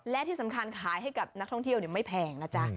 และที่สำคัญขายให้กับนักท่องเที่ยวไม่แพงนะจ๊ะ